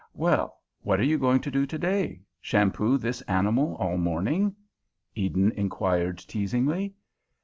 "Well, what are you going to do today? Shampoo this animal all morning?" Eden enquired teasingly.